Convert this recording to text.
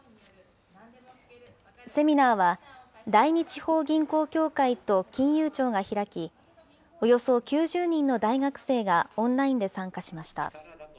セミナーは、第二地方銀行協会と金融庁が開き、およそ９０人の大学生がオンラインで参加しました。